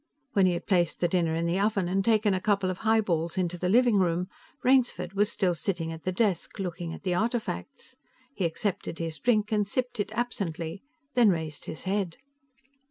When he had placed the dinner in the oven and taken a couple of highballs into the living room, Rainsford was still sitting at the desk, looking at the artifacts. He accepted his drink and sipped it absently, then raised his head.